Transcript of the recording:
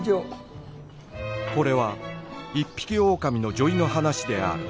これは一匹狼の女医の話である